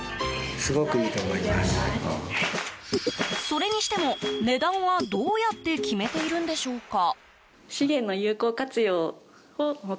それにしても値段はどうやって決めているんでしょうか。